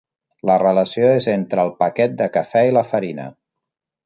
La relació és entre el paquet de cafè i la farina.